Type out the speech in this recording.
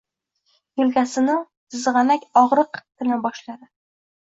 Yelkasini jizg‘anak og‘riq tina boshladi.